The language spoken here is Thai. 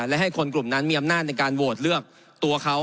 และให้คนกลุ่มนั้นมีอำนาจในการโหวตเลือกตัวเขา